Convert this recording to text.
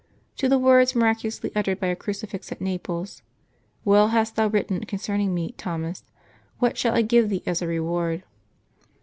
To the words miraculously uttered by a crucifix at Naples, "Well hast thou written concerning Me, Thomas. What shall I give thee as a reward?"